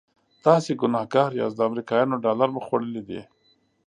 تاسې ګنهګار یاست د امریکایانو ډالر مو خوړلي دي.